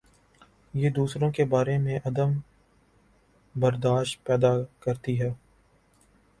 یہ دوسروں کے بارے میں عدم بر داشت پیدا کر تی ہے۔